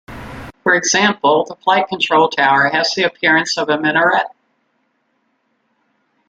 For example, the flight control tower has the appearance of a minaret.